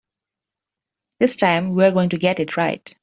This time we're going to get it right.